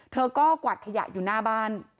เธอก็กวาดขยะอยู่หน้าบ้าน